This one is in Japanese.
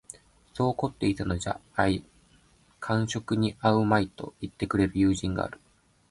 そう凝っていたのじゃ間職に合うまい、と云ってくれる友人がある